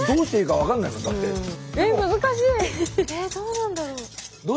えどうなんだろう？